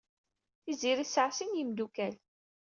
Tiziri tesɛa sin n yimeddukal.